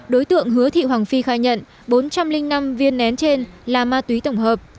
đối tượng hứa thị hoàng phi khai nhận bốn trăm linh năm viên nén trên là ma túy tổng hợp